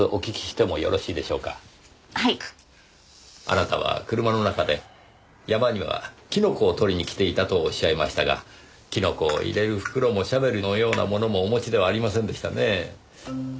あなたは車の中で山にはキノコを採りに来ていたとおっしゃいましたがキノコを入れる袋もシャベルのようなものもお持ちではありませんでしたね。